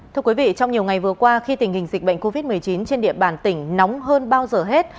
thưa quý vị trong nhiều ngày vừa qua khi tình hình dịch bệnh covid một mươi chín trên địa bàn tỉnh nóng hơn bao giờ hết